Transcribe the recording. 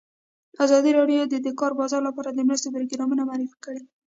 ازادي راډیو د د کار بازار لپاره د مرستو پروګرامونه معرفي کړي.